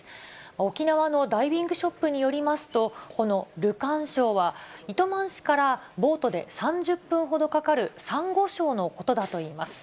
沖縄のダイビングショップによりますと、このルカン礁は、糸満市からボートで３０分ほどかかるさんご礁のことだといいます。